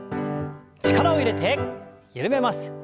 力を入れて緩めます。